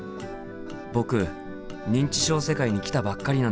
僕認知症世界に来たばっかりなんですよ。